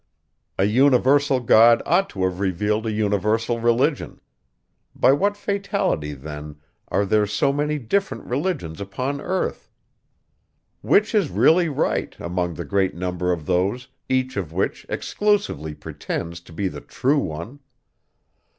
A universal God ought to have revealed a universal religion. By what fatality then are there so many different religions upon earth? Which is really right, among the great number of those, each of which exclusively pretends to be the true one?